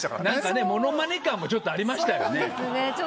何か物まね感もちょっとありましたよね。